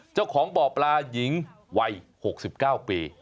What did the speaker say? เจ้าของบ่อปลาหญิงวัย๖๙ปี